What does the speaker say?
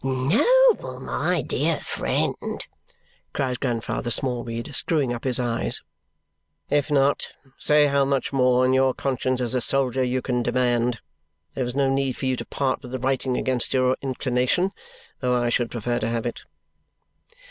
"Noble, my dear friend!" cries Grandfather Smallweed, screwing up his eyes. "If not, say how much more, in your conscience as a soldier, you can demand. There is no need for you to part with the writing, against your inclination though I should prefer to have it."